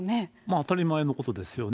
当たり前のことですよね。